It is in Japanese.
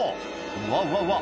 うわうわうわ